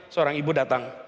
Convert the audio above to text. seorang ibu datang